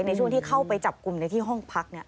ในช่วงที่เข้าไปจับกลุ่มในที่ห้องพัก